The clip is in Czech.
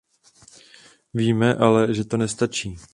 Víme ale, že to nestačí.